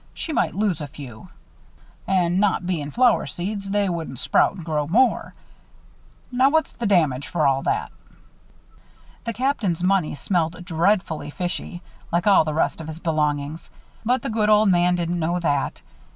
"She might lose a few. And not bein' flower seeds, they wouldn't sprout and grow more. Now, what's the damage for all that?" The Captain's money smelled dreadfully fishy, like all the rest of his belongings; but the good old man didn't know that.